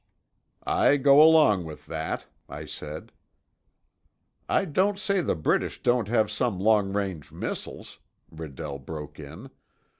"I go along with that," I said. "I don't say the British don't have some long range missiles," Redell broke in.